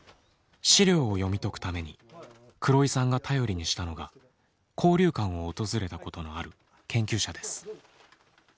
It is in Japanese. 資料を読み解くために黒井さんが頼りにしたのが交流館を訪れたことのある研究者です。